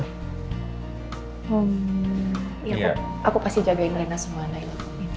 hmm aku pasti jagain rena semua naya